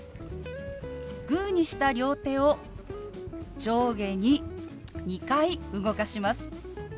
グーにした両手を上下に２回動かします。